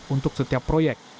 untuk setiap proyek